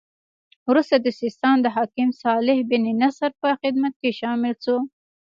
وروسته د سیستان د حاکم صالح بن نصر په خدمت کې شامل شو.